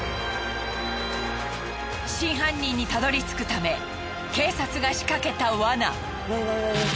真犯人にたどり着くため警察が仕掛けた罠。